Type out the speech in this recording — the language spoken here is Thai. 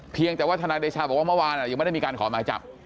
เพียงแต่ว่าทนายเดชาบอกว่าเมื่อวานยังไม่ได้มีการขอหมายจับ